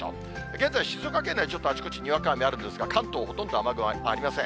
現在、静岡県内、ちょっとあちこちにわか雨あるんですが、関東ほとんど雨雲ありません。